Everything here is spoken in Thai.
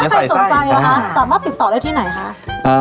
ใครสนใจเหรอคะสามารถติดต่อได้ที่ไหนคะ